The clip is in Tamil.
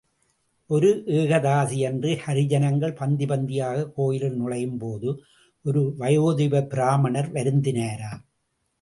ஒரு ஏகாதசி அன்று ஹரிஜனங்கள் பந்தி பந்தியாக கோயிலுள் நுழையும் போது ஒரு வயோதிக பிராம்மணர் வருந்தினாராம்.